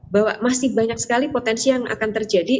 bahwa masih banyak sekali potensi yang akan terjadi